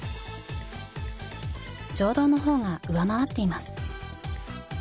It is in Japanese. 情動の方が上回っています。